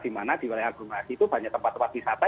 di mana di wilayah aglomerasi itu banyak tempat tempat wisata